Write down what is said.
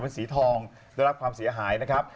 เป็นสีทองได้รับความเสียหายนะครับ